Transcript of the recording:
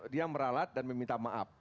dia meralat dan meminta maaf